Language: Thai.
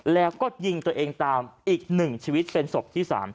แล้วก็ยิงตัวเองตามอีก๑ชีวิตเป็นศพที่๓